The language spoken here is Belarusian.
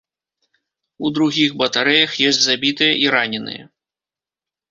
У другіх батарэях ёсць забітыя і раненыя.